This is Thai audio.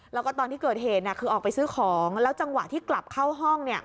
แล้วก็ตอนที่เกิดเหตุคือออกไปซื้อของแล้วจังหวะที่กลับเข้าห้อง